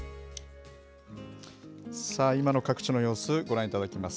さあ、今の各地の様子、ご覧いただきます。